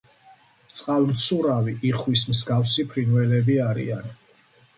წყალმცურავი, იხვის მსგავსი ფრინველები არიან.